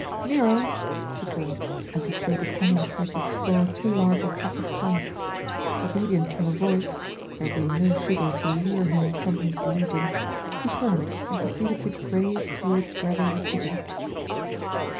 "Nero," she called, as he showed a tendency to explore too large a tract of turf. Obedient to her voice, there being no sugar to lure him from his allegiance, he turned and proceeded to graze towards where they were sitting.